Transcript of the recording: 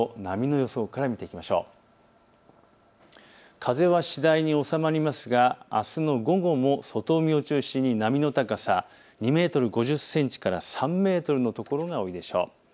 風は次第に収まりますがあすの午後は外房中心に波の高さ２メートル５０センチから３メートルの所が多いでしょう。